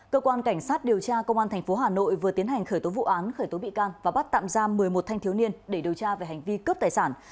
cơ quan cảnh sát điều tra công an tp hà nội vừa tiến hành khởi tố vụ án khởi tố bị can và bắt tạm giam một mươi một thanh thiếu niên để điều tra về hành vi cướp tài sản